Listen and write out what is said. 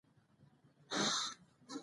پښتو ژبه زموږ د پلار او نیکه میراث دی.